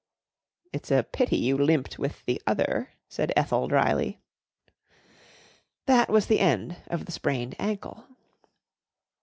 "It's a pity you limped with the other," said Ethel drily. That was the end of the sprained ankle.